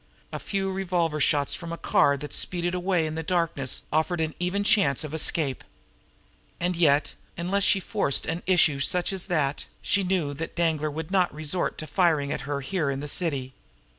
A few revolver shots from a car that speeded away in the darkness offered an even chance of escape. And yet, unless she forced an issue such as that, she knew that Danglar would not resort to firing at her here in the city.